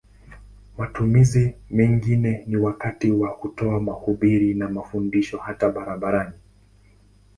Matumizi mengine ni wakati wa kutoa mahubiri na mafundisho hata barabarani.